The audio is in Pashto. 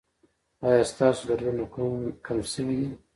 ایا ستاسو دردونه کم شوي دي؟